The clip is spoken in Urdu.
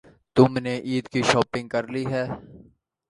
تم نے عید کی شاپنگ کر لی ہے؟